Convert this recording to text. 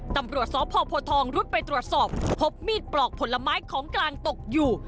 ตำรวจสพโพทองรุดไปตรวจสอบพบมีดปลอกผลไม้ของกลางตกอยู่